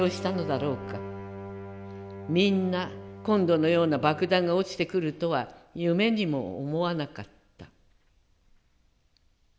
みんな今度のような爆弾が落ちてくるとは夢にも思わなかった」。